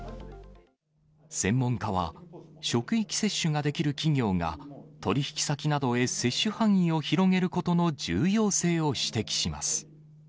専門家は、職域接種ができる企業が取り引き先などへ接種範囲を広げることの重要性を指摘します。